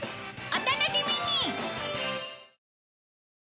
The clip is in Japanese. お楽しみに！